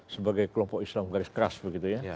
sebagai kelompok islam garis keras begitu ya